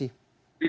tidak ada menang